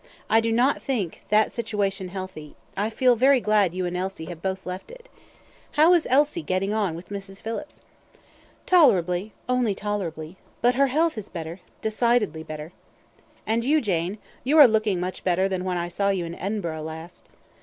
I do not think that situation healthy; I feel very glad you and Elsie have both left it. How is Elsie getting on with Mrs. Phillips?" "Tolerably only tolerably. But her health is better decidedly better." "And you, Jane, you are looking much better than when I saw you in Edinburgh last."